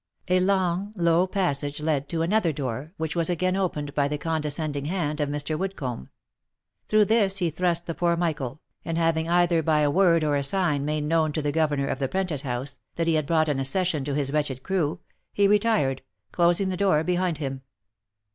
A long low passage led to another door, which was again opened by the condescending hand of Mr. Woodcomb ; through this he thrust the poor Michael, and having either by a word or a sign made known to the governor of the Prentice house, that he had brought an accession to his wretched crew, he retired, closing the door behind him.